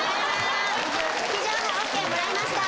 地上波ＯＫもらいました！